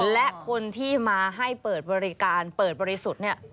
และคนที่มาให้เปิดบริการเปิดบริสุทธิ์เนี่ย